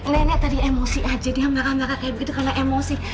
nenek tadi emosi aja dia marah marah kayak begitu karena emosi